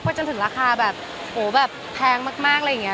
จนถึงราคาแบบโอ้แบบแพงมากอะไรอย่างนี้